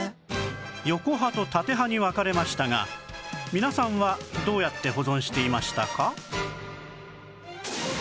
横派と縦派に分かれましたが皆さんはどうやって保存していましたか？